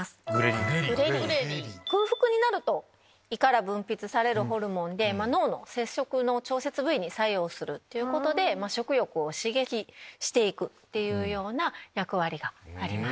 空腹になると胃から分泌されるホルモンで脳の摂食の調節部位に作用するということで食欲を刺激していくっていうような役割があります。